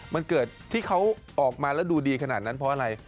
มันเกิดที่เขาออกมาแล้วดูดีขนาดนั้นเพราะอะไร